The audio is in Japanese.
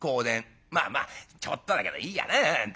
まあまあちょっとだけどいいやな本当に。